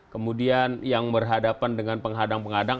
kemudian yang berhadapan dengan penghadang penghadang